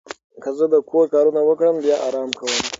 که زه د کور کارونه وکړم، بیا آرام کوم.